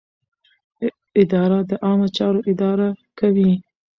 اداره د عامه چارو اداره کوي.